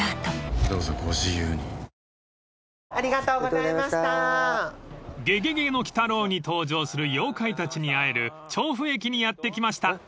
おいしい免疫ケア［『ゲゲゲの鬼太郎』に登場する妖怪たちに会える調布駅にやって来ました］